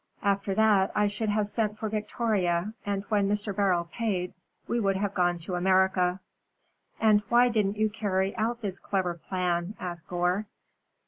After that, I should have sent for Victoria, and when Mr. Beryl paid, we would have gone to America." "And why didn't you carry out this clever plan?" asked Gore.